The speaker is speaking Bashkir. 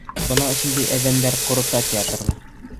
Бына ошондай әҙәмдәр ҡорота театрҙы!